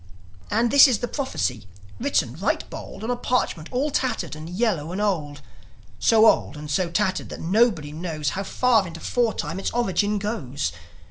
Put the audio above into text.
And this is the prophecy, written right bold On a parchment all tattered and yellow and old; So old and so tattered that nobody knows How far into foretime its origin goes.